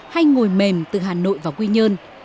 hay ngồi mềm từ hà nội và quy nhơn